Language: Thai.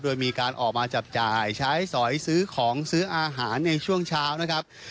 โดยมีการออกมาจับจ่ายใช้สอยซื้อของซื้ออาหารในช่วงเช้านะครับ